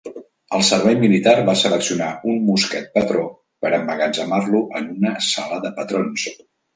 El servei militar va seleccionar un "mosquet patró" per emmagatzemar-lo en una "sala de patrons".